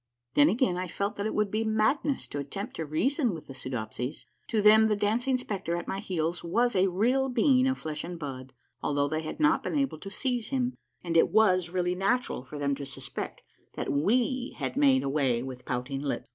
Then, again, I felt that it would be madness to attempt to reason with the Soodopsies. To them the dancing spectre at my heels was a real being of flesh and blood, although they had not been able to seize him, and it was really natural for them to suspect that we had made away with Pouting Lip.